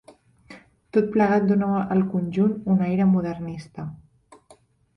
Tot plegat dóna al conjunt un aire modernista.